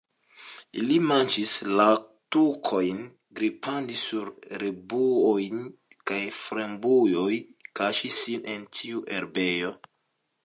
Ili maĉis laktukojn, grimpadis sur ribujoj kaj frambujoj, kaŝis sin en ĉiu herbejo.